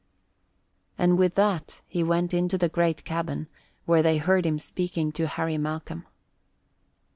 And with that, he went into the great cabin, where they heard him speaking to Harry Malcolm.